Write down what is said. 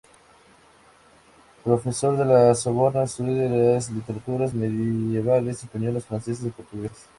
Profesor de la Sorbona, estudió las literaturas medievales española, francesa y portuguesa.